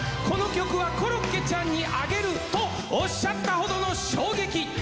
この曲はコロッケちゃんにあげるとおっしゃったほどの衝撃。